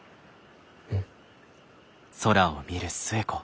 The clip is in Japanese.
うん。